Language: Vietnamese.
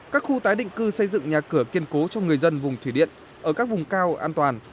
các khu tái định cư xây dựng nhà cửa kiên cố cho người dân vùng thủy điện ở các vùng cao an toàn